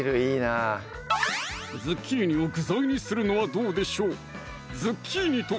ズッキーニを具材にするのはどうでしょう